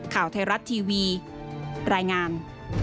ข่าวไทยรัฐทีวีรายงาน